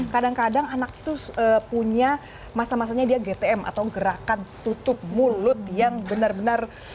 kadang kadang anak itu punya masa masanya dia gtm atau gerakan tutup mulut yang benar benar